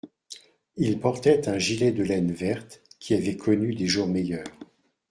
Il portait un gilet de laine verte, qui avait connu des jours meilleurs